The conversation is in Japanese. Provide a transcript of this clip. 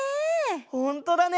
ほんとだね！